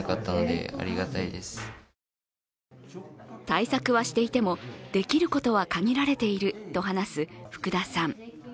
対策はしていても、できることは限られていると話す福田さん。